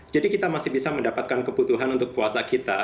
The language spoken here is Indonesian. jadi kita masih bisa mendapatkan kebutuhan untuk kuasa kita